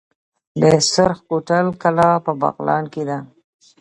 د سرخ کوتل کلا په بغلان کې ده